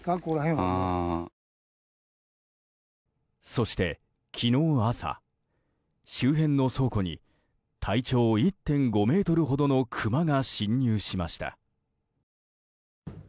そして昨日朝、周辺の倉庫に体長１．５ｍほどのクマが侵入しました。